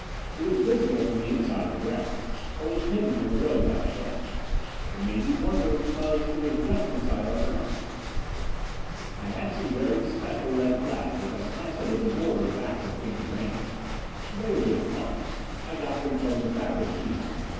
It was visible from the inside of the grounds, but was hidden from the road by a hedge. It made me wonder because it was just inside our grounds. "I had some very special red flags which I planted as a border back of pink geraniums. They were doing fine. I got them from the Fabrish seed house.